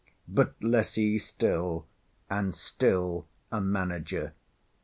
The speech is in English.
but Lessee still, and still a Manager.